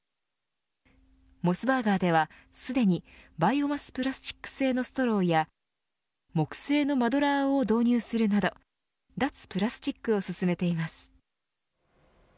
モスバーガーではすでにバイオマスプラスチック製のストローや木製のマドラーを導入するなど脱プラスチックを進めています。